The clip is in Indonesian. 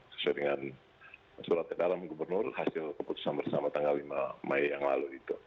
sesuai dengan surat edaran gubernur hasil keputusan bersama tanggal lima mei yang lalu itu